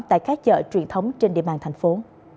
tại các chợ truyền thống trên địa bàn thành phố